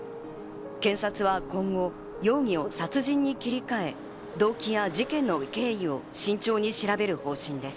警察は今後、容疑を殺人に切り替え、動機や事件の経緯を慎重に調べる方針です。